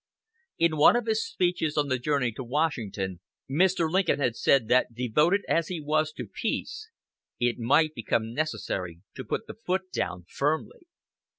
In one of his speeches on the journey to Washington Mr. Lincoln had said that devoted as he was to peace, it might become necessary to "put the foot down firmly."